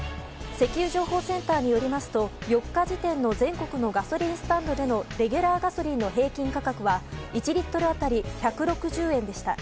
石油情報センターによりますと４日時点の全国のガソリンスタンドでのレギュラーガソリンの平均価格は１リットル当たり１６０円でした。